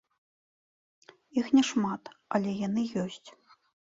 Іх не шмат, але яны ёсць.